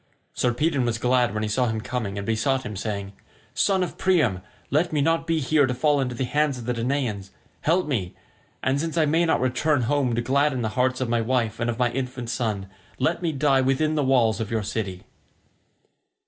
Sarpedon was glad when he saw him coming, and besought him, saying, "Son of Priam, let me not be here to fall into the hands of the Danaans. Help me, and since I may not return home to gladden the hearts of my wife and of my infant son, let me die within the walls of your city."